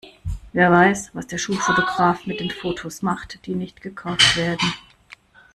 Wer weiß, was der Schulfotograf mit den Fotos macht, die nicht gekauft werden?